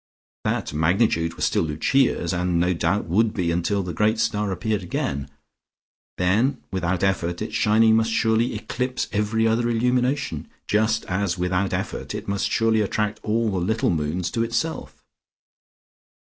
That magnitude was still Lucia's, and no doubt would be until the great star appeared again. Then without effort its shining must surely eclipse every other illumination, just as without effort it must surely attract all the little moons to itself.